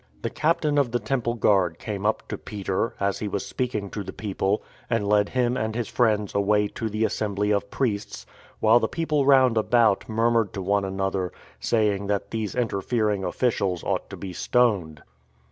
The Captain of the Temple Guard came up to Peter, as he was speaking to the people, and led him and his friends away to the assembly of priests — while the people round about murmured to one another, saying that these interfering officials ought to be stoned.